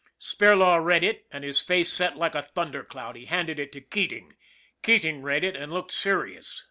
Spirlaw read it and his face set like a thunder cloud. He handed it to Keating. Keating read it and looked serious.